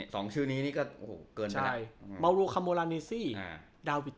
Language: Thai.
สองชื่อนี้ก็เกินไปแล้ว